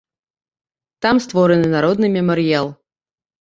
Там створаны народны мемарыял.